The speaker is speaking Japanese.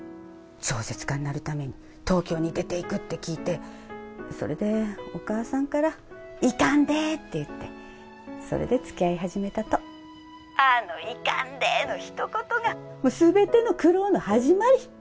小説家になるために東京に出て行くって聞いてそれでお母さんから「行かんで」って言ってそれで付き合い始めたとあの「行かんで」の一言が全ての苦労の始まり